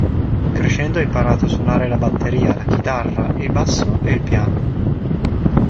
Crescendo ha imparato a suonare la batteria, la chitarra, il basso e il piano.